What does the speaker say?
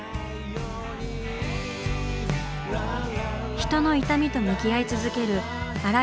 人の「痛み」と向き合い続ける新井英樹さん。